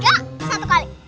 tiga satu kali